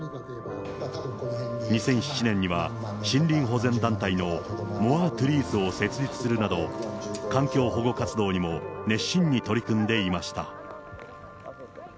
２００７年には森林保全団体のモア・ツリーズを設立するなど、環境保護活動にも熱心に取り組んでいました。